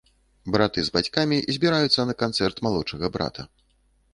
Браты з бацькамі збіраюцца на канцэрт малодшага брата.